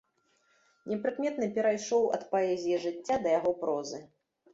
Непрыкметна перайшоў ад паэзіі жыцця да яго прозы.